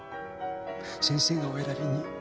先生がお選びに？